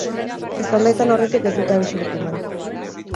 Eztanda izan aurretik ez dute abisurik eman.